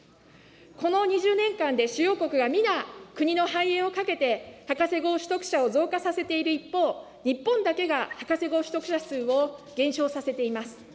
この２０年間で主要国が皆、国の繁栄をかけて、博士号取得者を増加させている一方、日本だけが博士号取得者数を減少させています。